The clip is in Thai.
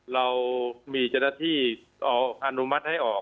เรามีเจ้าหน้าที่อนุมัติให้ออก